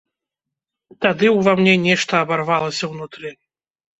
Тады ўва мне нешта абарвалася ўнутры.